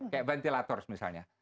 kayak ventilator misalnya